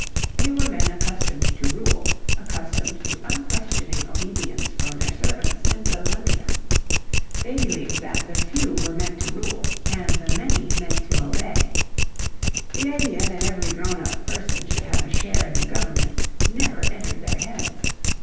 They were men accustomed to rule, accustomed to unquestioning obedience from their servants and those under them. They believed that the few were meant to rule, and the many meant to obey. The idea that every grown up person should have a share in the government never entered their heads.